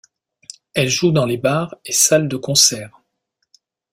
Elle joue dans les bars et salles de concerts.